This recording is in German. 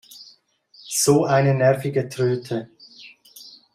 So eine nervige Tröte!